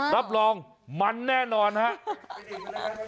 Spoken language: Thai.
รับรองมันแน่นอนครับ